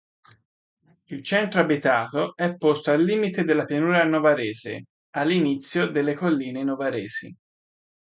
Il centro abitato è posto al limite della pianura novarese, all'inizio delle colline novaresi.